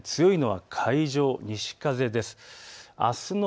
強いのが海上、西風です。